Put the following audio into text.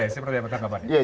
siapa yang dapat kabar